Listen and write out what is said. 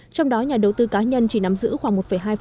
trong đó nhà đầu tư cá nhân chỉ nắm giữ khoảng một hai